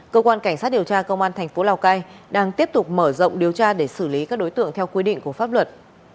cơ quan cảnh sát điều tra công an thành phố lào cai đang tiếp tục mở rộng điều tra để xử lý các đối tượng theo quy định của pháp luật